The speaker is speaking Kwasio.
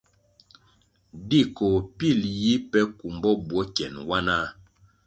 Di koh pil ji peh kumbo bwo kyen wanah.